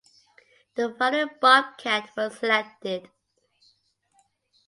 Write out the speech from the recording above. The following Bobcat was selected.